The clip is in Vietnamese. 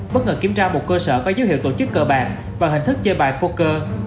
bất ngờ kiểm tra một cơ sở có dấu hiệu tổ chức cờ bạc và hình thức chơi bài poker